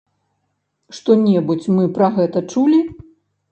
Што-небудзь мы пра гэта чулі?